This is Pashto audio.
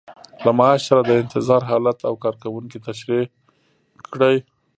له معاش سره د انتظار حالت او کارکوونکي تشریح کړئ.